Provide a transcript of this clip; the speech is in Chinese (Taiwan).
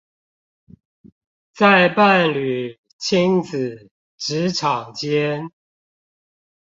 在伴侶、親子、職場間